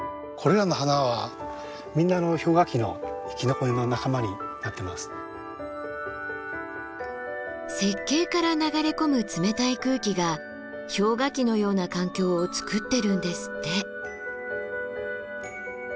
これらの花はみんな雪渓から流れ込む冷たい空気が氷河期のような環境をつくってるんですって。